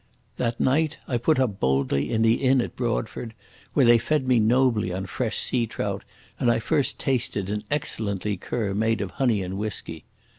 That night I put up boldly in the inn at Broadford, where they fed me nobly on fresh sea trout and I first tasted an excellent liqueur made of honey and whisky.